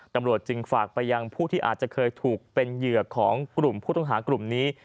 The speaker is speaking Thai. ตำรวจจึงฝากไปยังผู้ที่อาจจะเคยถูกเป็นเหยื่อของกลุ่มผู้ต้องหากลุ่มนี้